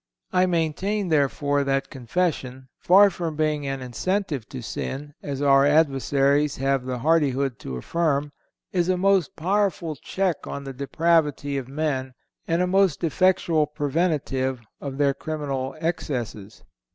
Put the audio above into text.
I maintain, therefore, that confession, far from being an incentive to sin, as our adversaries have the hardihood to affirm, is a most powerful check on the depravity of men and a most effectual preventive of their criminal excesses.